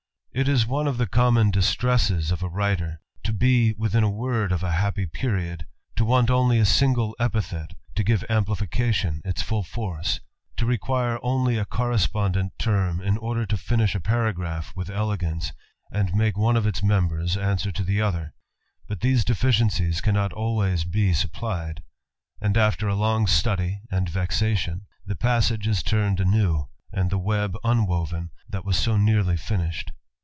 It is one of the common distresses of a writer, to Ix within a word of a happy period, to want only a singl epithet to give amplification its full force, to require only J correspondent term in order to finish a paragraph witl elegance, and make one of its members answer to the othel but these deficiencies cannot always be supplied : and aft£ THE ADVENTURER. 271 a long study and vexation, the passage is turned anew, and the web unwoven that was so nearly finished.